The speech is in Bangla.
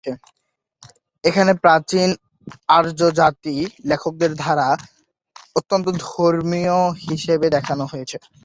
এখানে, প্রাচীন "আর্য জাতি" লেখকদের দ্বারা অত্যন্ত ধর্মীয় হিসাবে দেখানো হয়েছে।